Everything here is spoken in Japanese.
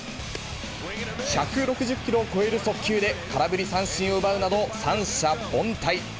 １６０キロを超える速球で空振り三振を奪うなど、三者凡退。